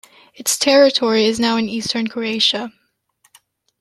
Its territory is now in eastern Croatia.